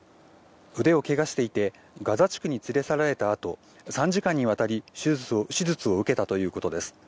腕を怪我していてガザ地区に連れ去られたあと３時間にわたり手術を受けたということです。